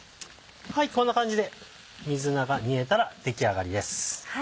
こんな感じで水菜が煮えたら出来上がりです。